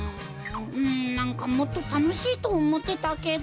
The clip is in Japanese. んなんかもっとたのしいとおもってたけど。